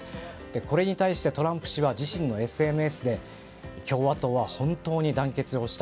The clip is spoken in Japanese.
これに対してトランプ氏は自身のＳＮＳで共和党は本当に団結をした。